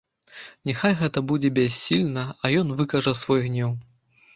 Няхай гэта будзе бяссільна, а ён выкажа свой гнеў.